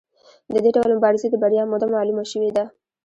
د دې ډول مبارزې د بریا موده معلومه شوې ده.